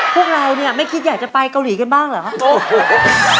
พวกเราเนี่ยไม่คิดอยากจะไปเกาหลีกันบ้างเหรอครับ